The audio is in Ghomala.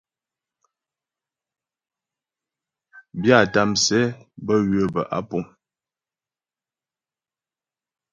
Byâta msɛ bə́ ywə̌ bə́ á puŋ.